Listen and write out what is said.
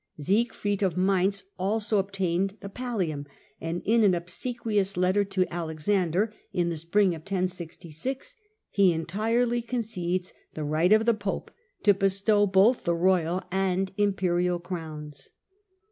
Siegfried of Mainz also obtained the pallium, and in an obsequious letter to Alexander, in the spring of 1066, he entirely concedes the right of the pope to bestow both the royal and im perial crowns.